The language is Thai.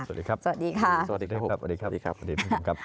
สวัสดีครับ